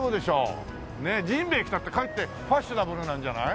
ねえ甚平着たってかえってファッショナブルなんじゃない？